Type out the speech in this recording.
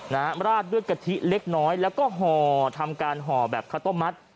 ราดด้วยกะทิเล็กน้อยแล้วก็ห่อทำการห่อแบบข้าวต้มมัด